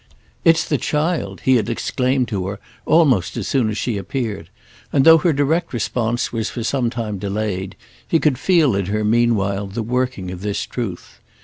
"It's the child!" he had exclaimed to her almost as soon as she appeared; and though her direct response was for some time delayed he could feel in her meanwhile the working of this truth.